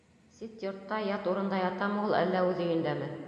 Сит йортта, ят урында ятамы ул, әллә үҙ өйөндәме?